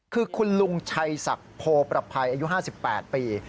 คือคุณลุงชัยศักดิ์โพประภัยอายุ๕๘ปี